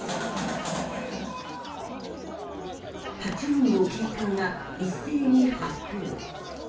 ８人の警官が一斉に発砲。